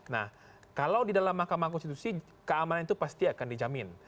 nah kalau di dalam mahkamah konstitusi keamanan itu pasti akan dijamin